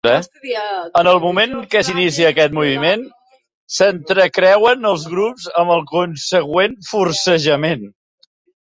En el moment en què s'inicia aquest moviment, s'entrecreuen els grups amb el consegüent forcejament.